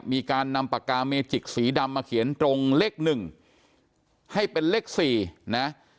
มีการนำปากกาเมจิกสีดำมาเขียนตรงเลข๑ให้เป็นเลข๔นะ